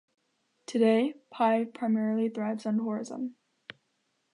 Today, Pai primarily thrives on tourism.